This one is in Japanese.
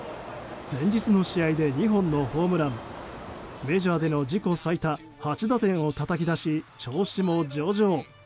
前日の試合で２本のホームランメジャーでの自己最多８打点をたたき出し調子も上々。